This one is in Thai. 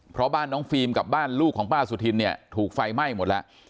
เพราะบ้านน้องฟิล์มกับบ้านลูกของป้าสุธินเนี่ยถูกไฟไหม้หมดแล้ว